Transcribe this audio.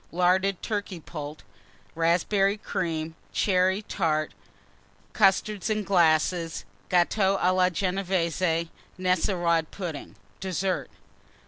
Larded Turkey Poult. Raspberry Cream. Cherry Tart. Custards, in glasses. Gâteaux à la Genévése. Nesselrode Pudding. DESSERT.